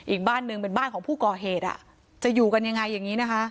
อีกบ้านหนึ่งเป็นบ้านของผู้ก่อเหตุจะอยู่กันยังไงอย่างนี้นะคะ